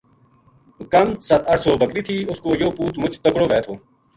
کم ست اَٹھ سو بکری تھی اس کو یوہ پُوت مُچ تکڑو وھے تھو